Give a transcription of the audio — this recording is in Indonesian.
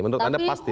menurut anda pasti